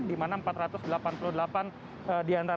di mana empat ratus delapan puluh delapan diantara